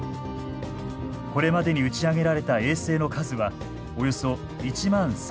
これまでに打ち上げられた衛星の数はおよそ１万３，０００基。